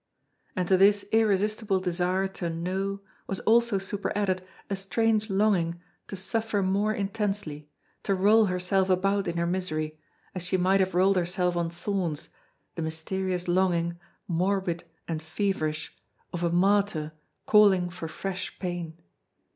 And to this irresistible desire to know was also superadded a strange longing to suffer more intensely, to roll herself about in her misery, as she might have rolled herself on thorns, the mysterious longing, morbid and feverish, of a martyr calling for fresh pain.